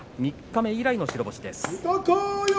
三日目以来の白星です。